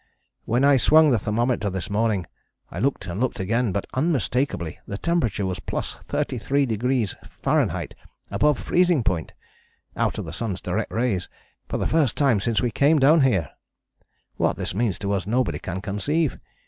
"When I swung the thermometer this morning I looked and looked again, but unmistakably the temperature was +33°F., above freezing point (out of the sun's direct rays) for the first time since we came down here. What this means to us nobody can conceive.